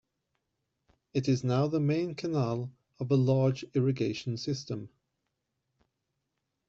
It is now the main canal of a large irrigation system.